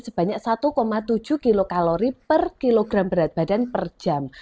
sebanyak satu tujuh kilokalori per kilogram berat badan per jam